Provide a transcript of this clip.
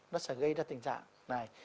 nó sẽ gây ra tình trạng này